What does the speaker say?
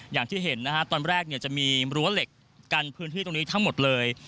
อย่างที่เห็นนะฮะตอนแรกเนี่ยจะมีรั้วเหล็กกันพื้นที่ตรงนี้ทั้งหมดเลย